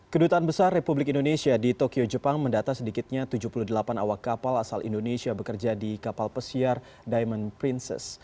kedutaan besar republik indonesia di tokyo jepang mendata sedikitnya tujuh puluh delapan awak kapal asal indonesia bekerja di kapal pesiar diamond princess